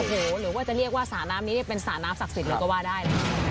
โอ้โหหรือว่าจะเรียกว่าสระน้ำนี้เป็นสระน้ำศักดิ์สิทธิ์เลยก็ว่าได้